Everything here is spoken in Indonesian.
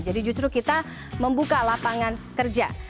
justru kita membuka lapangan kerja